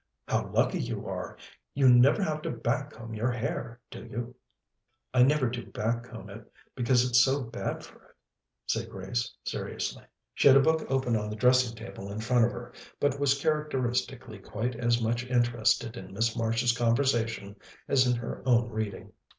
"How lucky you are! You never have to back comb your hair, do you?" "I never do back comb it, because it's so bad for it," said Grace seriously. She had a book open on the dressing table in front of her, but was characteristically quite as much interested in Miss Marsh's conversation as in her own reading.